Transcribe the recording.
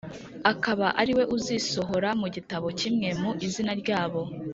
akaba ari we uzisohora mu gitabo kimwe mu izina ryabo.